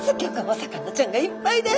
魚ちゃんがいっぱいです。